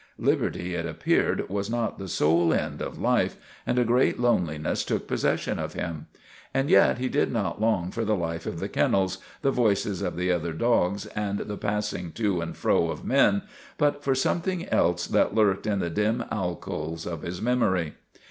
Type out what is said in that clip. Liberty, it appeared, was not the sole end of life, and a great loneliness took possession of him. And yet he did not long for the life of the kennels, the voices of other dogs and the passing to and fro of men, but for something else that lurked in the dim alcoves of his memory.